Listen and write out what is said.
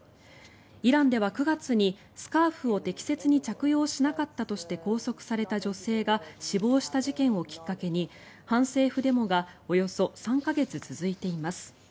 イランでは９月にスカーフを適切に着用しなかったとして拘束された女性が死亡した事件をきっかけに反政府デモがおよそ３か月続いています。